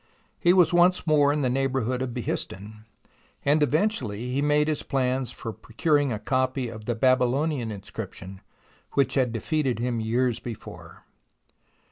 He was once more in THE ROMANCE OF EXCAVATION 111 the neighbourhood of Behistun, and eventually he made his plans for procuring a copy of the Babylonian inscription which had defeated him years before.